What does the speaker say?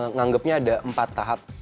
nganggepnya ada empat tahap